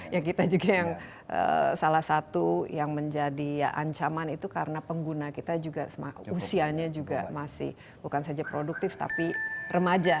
ya kita juga yang salah satu yang menjadi ancaman itu karena pengguna kita juga usianya juga masih bukan saja produktif tapi remaja